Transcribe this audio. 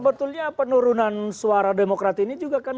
sebetulnya penurunan suara demokrat ini juga kan